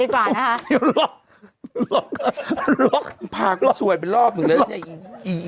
เป็นการกระตุ้นการไหลเวียนของเลือด